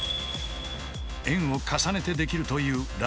円を重ねてできるという螺旋。